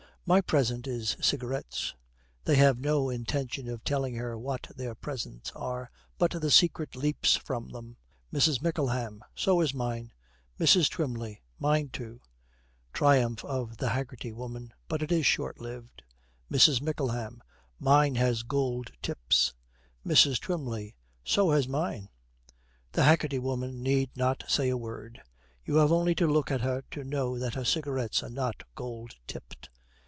'My present is cigarettes.' They have no intention of telling her what their presents are, but the secret leaps from them. MRS. MICKLEHAM. 'So is mine.' MRS. TWYMLEY. 'Mine too.' Triumph of the Haggerty Woman. But it is short lived. MRS. MICKLEHAM. 'Mine has gold tips.' MRS. TWYMLEY. 'So has mine.' The Haggerty Woman need not say a word. You have only to look at her to know that her cigarettes are not gold tipped.